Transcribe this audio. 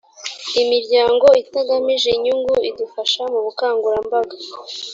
imiryango itagamije inyungu idufasha mu bukangurambaga